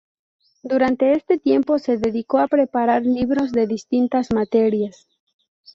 Durante este tiempo se dedicó a preparar libros de distintas materias.